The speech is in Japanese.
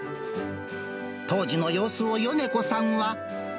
当時の様子を米子さんは。